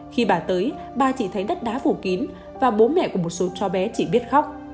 khi bà tới bà chỉ thấy đất đá phủ kín và bố mẹ của một số cháu bé chỉ biết khóc